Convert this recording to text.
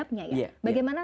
ternyata doa adalah adab